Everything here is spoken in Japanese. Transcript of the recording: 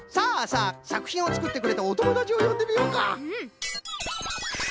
さくひんをつくってくれたおともだちをよんでみようか。